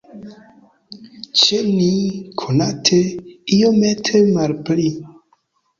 Ĉe ni, konate, iomete malpli.